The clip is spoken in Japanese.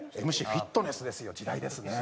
ＭＣフィットネスですよ時代ですね。